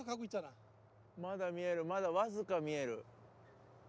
まだ見えるまだわずか見える